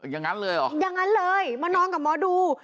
อย่างนั้นเลยนอนแหละกับหมอดู